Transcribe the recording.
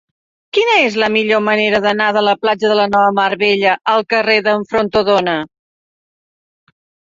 Quina és la millor manera d'anar de la platja de la Nova Mar Bella al carrer d'en Fontrodona?